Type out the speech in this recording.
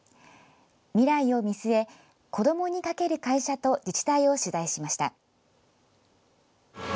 未来を見据え子どもにかける会社と自治体を取材しました。